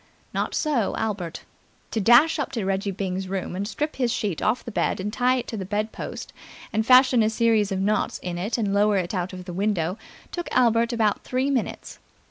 Not so Albert. To dash up to Reggie Byng's room and strip his sheet off the bed and tie it to the bed post and fashion a series of knots in it and lower it out of the window took Albert about three minutes.